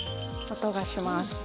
音がします。